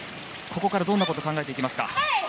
ここからどんなことを考えていきますか？